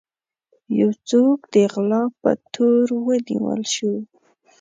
يو څوک د غلا په تور ونيول شو.